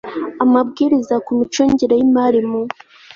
amabwiriza ku micungire y imari mu